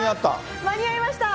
間に合いました。